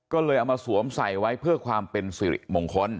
ก็เลยเอามาสวมใส่ไว้เพื่อความเป็นสิริมงคล